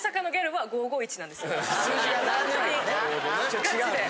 はい。